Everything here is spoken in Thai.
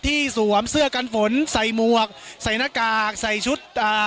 สวมเสื้อกันฝนใส่หมวกใส่หน้ากากใส่ชุดอ่า